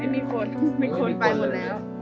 ไม่มีคนไปหมดแล้ว